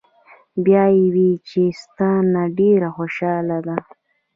" بیا ئې وې چې " ستا نه ډېره خوشاله ده